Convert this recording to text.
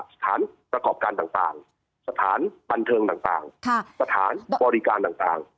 สถานประกอบการต่างสถานบันเทิงต่างสถานบริการต่าง